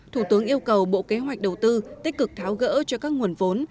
thủ tướng yêu cầu bộ kế hoạch đầu tư tích cực tháo gỡ cho các nguồn vốn